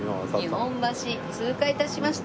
日本橋通過致しました！